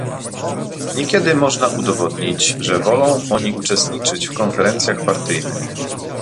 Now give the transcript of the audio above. Niekiedy można udowodnić, że wolą oni uczestniczyć w konferencjach partyjnych